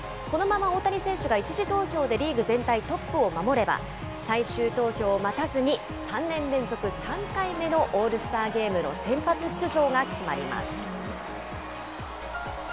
このまま大谷選手が１次投票でリーグ全体トップを守れば、最終投票を待たずに、３年連続３回目のオールスターゲームの先発出場が決まります。